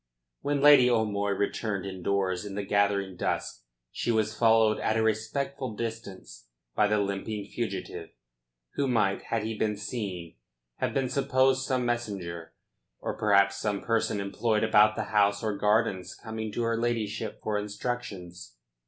When Lady O'Moy returned indoors in the gathering dusk she was followed at a respectful distance by the limping fugitive, who might, had he been seen, have been supposed some messenger, or perhaps some person employed about the house or gardens coming to her ladyship for instructions.